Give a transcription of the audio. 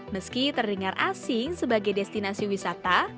meski terdengar asing sebagai destinasi wisata